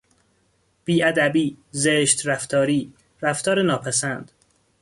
بیادبی، زشت رفتاری، رفتار ناپسند